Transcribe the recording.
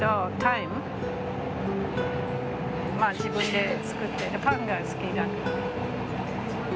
自分で作ってでパンが好きだから。